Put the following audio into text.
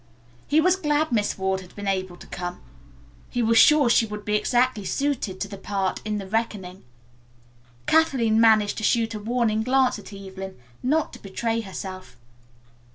He was glad Miss Ward had been able to come. He was sure she would be exactly suited to the part in "The Reckoning." Kathleen managed to shoot a warning glance at Evelyn not to betray herself.